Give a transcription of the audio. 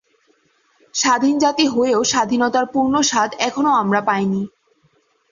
স্বাধীন জাতি হয়েও স্বাধীনতার পূর্ণ স্বাদ এখনো আমরা পাইনি।